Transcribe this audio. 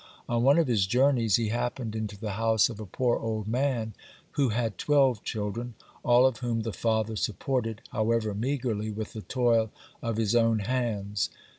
On one of his journeys he happened into the house of a poor old man who had twelve children, all of whom the father supported, however meagrely, with the toil of his own hands.